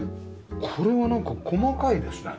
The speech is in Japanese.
これはなんか細かいですね。